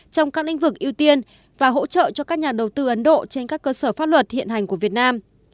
trong các lĩnh vực ưu tiên và hỗ trợ cho các nhà đầu tư ấn độ trên các cơ sở pháp luật hiện hành của việt nam